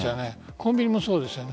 コンビニもそうですよね。